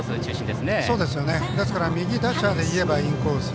ですから右打者でいえばインコース。